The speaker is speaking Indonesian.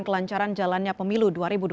kelancaran jalannya pemilu dua ribu dua puluh